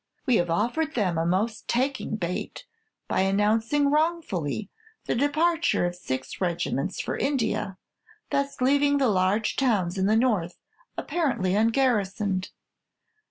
We have offered them a most taking bait, by announcing wrongfully the departure of six regiments for India; thus leaving the large towns in the North apparently ungarrisoned.